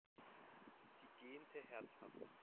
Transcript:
Sie gähnte herzhaft.